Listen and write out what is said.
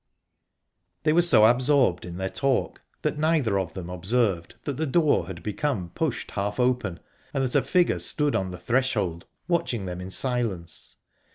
The were so absorbed in their talk that neither of them observed that the door had become pushed half open, and that a figure stood on the threshold, watching them in silence.